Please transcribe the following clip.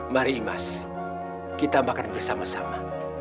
mari mas kita makan bersama sama